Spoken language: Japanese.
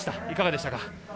いかがでしたか？